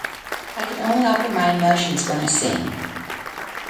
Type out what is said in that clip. I can only offer my emotions when I sing.